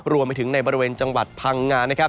รวมไปถึงในบริเวณจังหวัดพังงานะครับ